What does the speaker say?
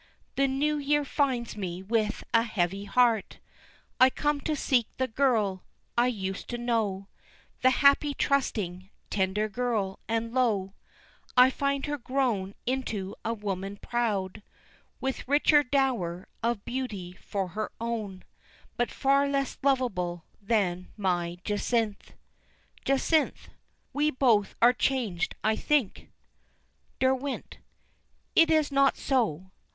The new year finds me with a heavy heart, I come to seek the girl I used to know, The happy, trusting, tender girl, and lo I find her grown into a woman proud, With richer dower of beauty for her own, But far less lovable than my Jacynth." Jacynth: "We both are changed, I think." Derwent: "It is not so.